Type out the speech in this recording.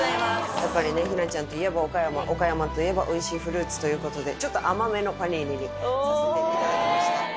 やっぱりね、日奈ちゃんといえば岡山、岡山といえばおいしいフルーツということで、ちょっと甘めのパニーニにさせていただきました。